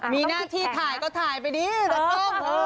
มีหน้าที่ถ่ายก็ถ่ายไปดีแต่กล้อง